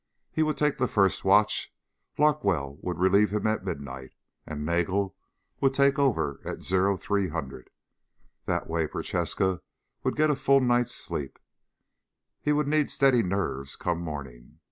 He would take the first watch, Larkwell would relieve him at midnight, and Nagel would take over at 0300. That way Prochaska would get a full night's sleep. He would need steady nerves come morning.